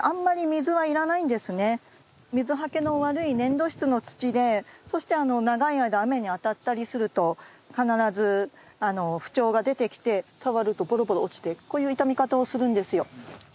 水はけの悪い粘土質の土でそして長い間雨に当たったりすると必ず不調が出てきて触るとポロポロ落ちてこういう傷み方をするんですよ。